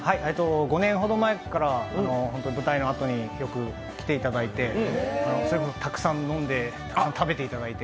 ５年ほど前から舞台のあとによく来ていただいて、それこそたくさん飲んで食べていただいて。